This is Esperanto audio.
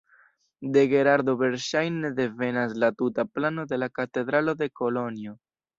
De Gerardo verŝajne devenas la tuta plano de la katedralo de Kolonjo.